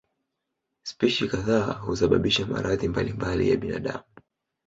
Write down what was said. Spishi kadhaa husababisha maradhi mbalimbali ya binadamu.